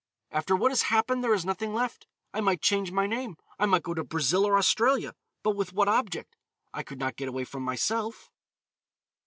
"After what has happened there is nothing left. I might change my name. I might go to Brazil or Australia, but with what object? I could not get away from myself.